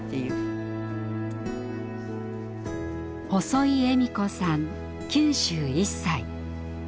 細井恵美子さん９１歳。